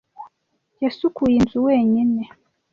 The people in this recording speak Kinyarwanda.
Yasukuye inzu wenyine.